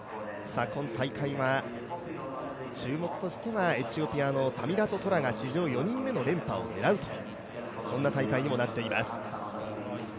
今大会は注目としてはエチオピアのタミラト・トラが、史上４人目の連覇を狙うとそんな大会にもなっています。